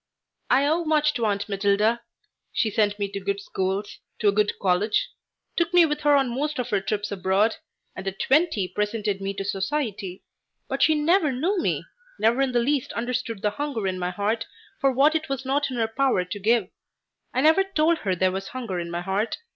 I owe much to Aunt Matilda. She sent me to good schools, to a good college; took me with her on most of her trips abroad, and at twenty presented me to society, but she never knew me, never in the least understood the hunger in my heart for what it was not in her power to give. I never told her there was hunger in my heart.